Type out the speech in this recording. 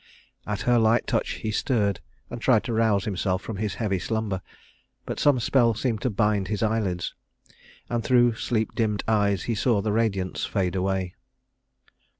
At her light touch he stirred, and tried to rouse himself from his heavy slumber; but some spell seemed to bind his eyelids, and through sleep dimmed eyes he saw the radiance fade away.